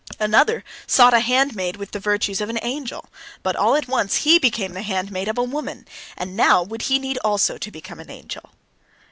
Another sought a handmaid with the virtues of an angel. But all at once he became the handmaid of a woman, and now would he need also to become an angel.